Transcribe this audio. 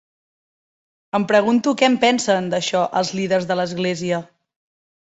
Em pregunto què en pensen, d'això, els líders de l'església.